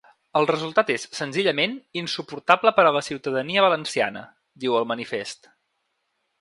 El resultat és, senzillament, insuportable per a la ciutadania valenciana, diu el manifest.